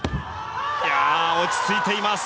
落ち着いています。